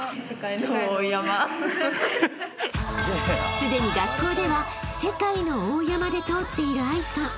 ［すでに学校では「世界の大山」で通っている藍さん］